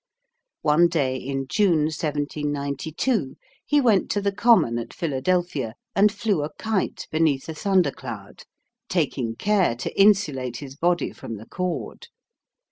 One day in June, 1792, he went to the common at Philadelphia and flew a kite beneath a thundercloud, taking care to insulate his body from the cord.